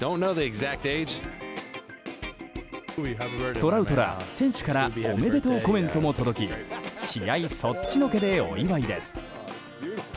トラウトら選手からおめでとうコメントも届き試合そっちのけで、お祝いです。